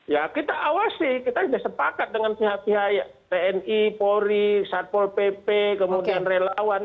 ya kita awasi kita sudah sepakat dengan pihak pihak tni polri satpol pp kemudian relawan